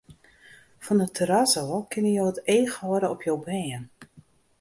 Fan it terras ôf kinne jo it each hâlde op jo bern.